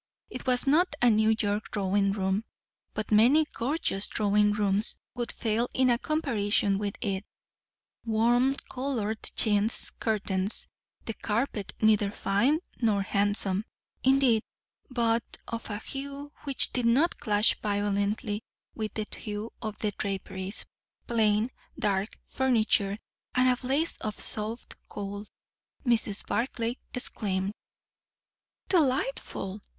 It was not a New York drawing room; but many gorgeous drawing rooms would fail in a comparison with it. Warm coloured chintz curtains; the carpet neither fine nor handsome, indeed, but of a hue which did not clash violently with the hue of the draperies; plain, dark furniture; and a blaze of soft coal. Mrs. Barclay exclaimed, "Delightful!